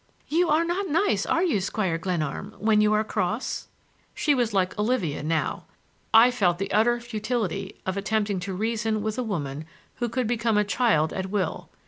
"You are not nice, are you, Squire Glenarm, when you are cross?" She was like Olivia now. I felt the utter futility of attempting to reason with a woman who could become a child at will.